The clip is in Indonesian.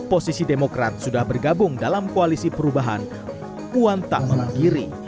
posisi demokrat sudah bergabung dalam koalisi perubahan puan tak melanggiri